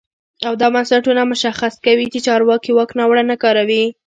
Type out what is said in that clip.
او دا بنسټونه مشخص کوي چې چارواکي واک ناوړه نه کاروي.